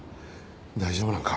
大丈夫なんか？